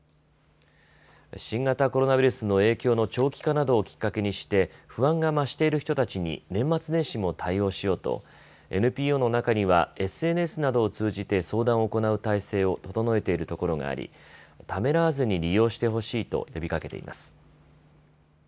新型コロナウイルスの影響の長期化などをきっかけにして不安が増している人たちに年末年始も対応しようとＮＰＯの中にはＳＮＳなどを通じて相談を行う態勢を整えているところがありためらわずに利用してほしいと呼びかけています。